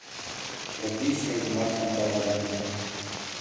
— Тропий шкенжынымак шонкала, витне.